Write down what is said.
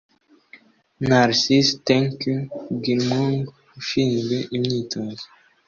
Narcisse Tinkeu Nguimgou (Ushinzwe imyitozo)